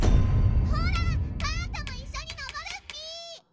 ほらパンタもいっしょに上るッピ！